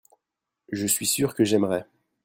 je suis sûr que j'aimerais.